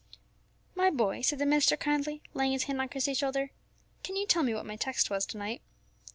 "My boy," said the minister kindly, laying his hand on Christie's shoulder, "can you tell me what my text was to night?"